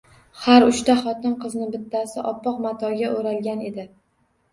Har uchta xotin-qizni bittasi oppoq matoga o‘ralgan edi.